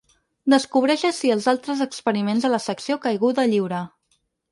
Descobreix ací els altres experiments a la secció ‘Caiguda lliure’.